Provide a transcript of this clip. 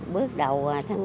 bước đầu tháng ba